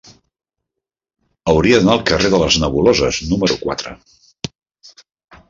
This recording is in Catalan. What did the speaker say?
Hauria d'anar al carrer de les Nebuloses número quatre.